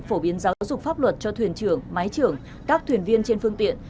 phổ biến giáo dục pháp luật cho thuyền trưởng máy trưởng các thuyền viên trên phương tiện